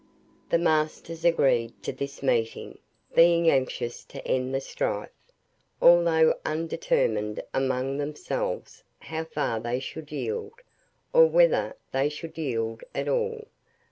The masters agreed to this meeting, being anxious to end the strife, although undetermined among themselves how far they should yield, or whether they should yield at all.